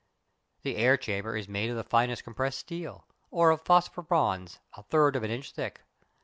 The air chamber is made of the finest compressed steel, or of phosphor bronze, a third of an inch thick.